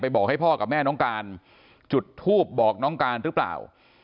บอกให้พ่อกับแม่น้องการจุดทูบบอกน้องการหรือเปล่า